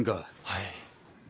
はい。